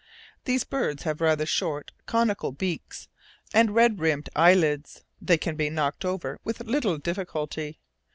These birds have rather short, conical beaks, and red rimmed eyelids; they can be knocked over with little difficulty.